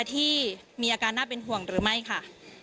ที่มีอาการน่าเป็นห่วงหรือไม่ค่ะ